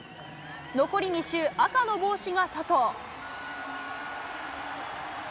残り２周、赤の帽子が佐藤。